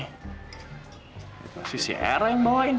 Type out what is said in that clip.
pasti si erak yang bawain